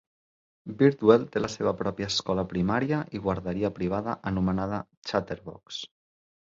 Birdwell té la seva pròpia escola primària i guarderia privada anomenada Chatterbox.